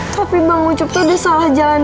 tapi bang ucup tuh udah salah jalan